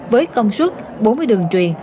với công suất bốn mươi đường truyền